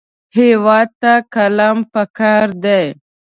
هېواد ته قلم پکار دی